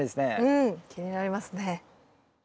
うん気になりますね。